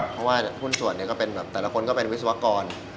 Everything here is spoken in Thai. เพราะว่าหุ้นส่วนก็เป็นแบบแต่ละคนก็เป็นวิศวกร